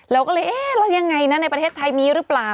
เราก็เลยเอ๊ะแล้วยังไงนะในประเทศไทยมีหรือเปล่า